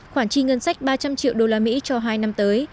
khoản chi ngân sách ba trăm linh triệu đô la mỹ cho hai năm tới